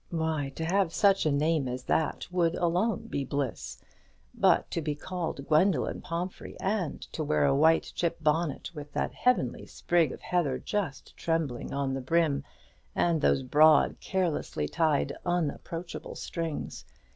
Why, to have such a name as that would alone be bliss; but to be called Gwendoline Pomphrey, and to wear a white chip bonnet with that heavenly sprig of heather just trembling on the brim, and those broad, carelessly tied, unapproachable strings!